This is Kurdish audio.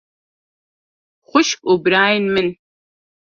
Xwişk û birayên min!